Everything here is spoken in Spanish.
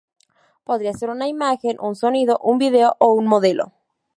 Podría ser una imagen, un sonido, un video o un modelo.